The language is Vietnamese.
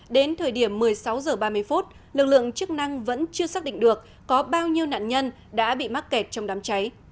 đến thời điểm một mươi sáu h ba mươi phút lực lượng chức năng vẫn chưa xác định được có bao nhiêu nạn nhân đã bị mắc kẹt trong đám cháy